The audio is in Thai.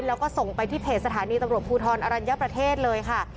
แล้วก็ส่งไปที่เพจสถานีตำรวจภูทรอรัญญประเทศเลยค่ะ